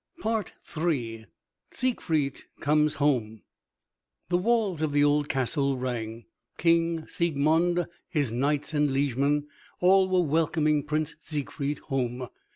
III SIEGFRIED COMES HOME The walls of the old castle rang. King Siegmund, his knights and liegemen, all were welcoming Prince Siegfried home.